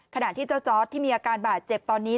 ขณะที่เจ้าจอร์ดที่มีอาการบาดเจ็บตอนนี้